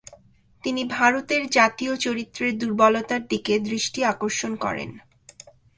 তিনি ভারতের জাতীয় চরিত্রের দুর্বলতার দিকে দৃষ্টি আকর্ষণ করেন।